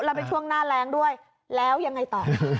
แล้วเป็นช่วงหน้าแรงด้วยแล้วยังไงต่อ